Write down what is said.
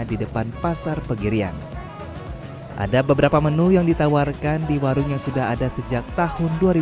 di depan pasar pegirian ada beberapa menu yang ditawarkan di warung yang sudah ada sejak tahun dua ribu